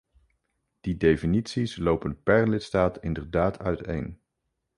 Die definities lopen per lidstaat inderdaad uiteen.